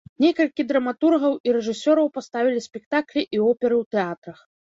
Некалькі драматургаў і рэжысёраў паставілі спектаклі і оперы ў тэатрах.